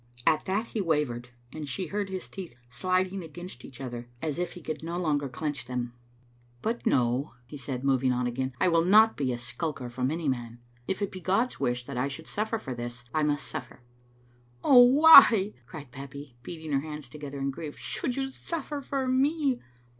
At that he wavered, and she heard his teeth sliding against each other, as if he could no longer clench them. Digitized by VjOOQ IC 202 Vbc %m\€ Afntotet. "But, no," he said moving on again, "I will not be a skulker from any man. If it be God's wish that I should suffer for this, I must suffer." "Oh, why," cried Babbie, beating her hands together in grief, " should you suffer for me?"